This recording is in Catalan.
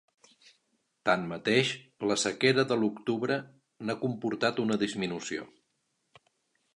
Tanmateix, la sequera de l’octubre n’ha comportat una disminució.